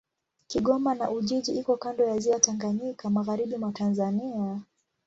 Kigoma na Ujiji iko kando ya Ziwa Tanganyika, magharibi mwa Tanzania.